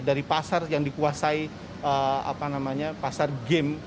dari pasar yang dikuasai apa namanya pasar game